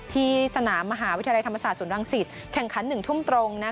ที่สนามมหาวิทยาลัยธรรมศาสตร์ศูนย์รังสิตแข่งขัน๑ทุ่มตรง